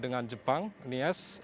dengan jepang nies